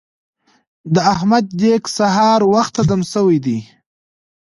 د احمد دېګ سهار وخته دم شوی دی.